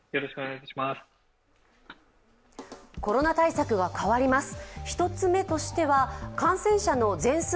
コロナ対策が変わります。